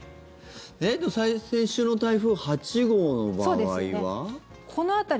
先週の台風８号の場合は？